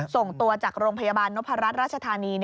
ส่งตัวจากโรงพยาบาลนพรัชราชธานี